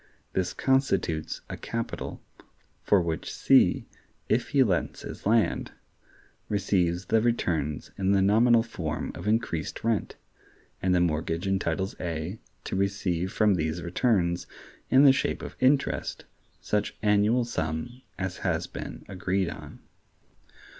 This constitutes a capital, for which C, if he lets his land, receives the returns in the nominal form of increased rent; and the mortgage entitles A to receive from these returns, in the shape of interest, such annual sum as has been agreed on.